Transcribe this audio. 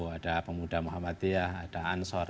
ada pemuda muhammadiyah ada ansor